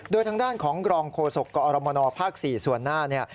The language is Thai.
โดยทางด้านของกรองโฆษกกอรมนภ๔ส่วนหน้าเนี่ย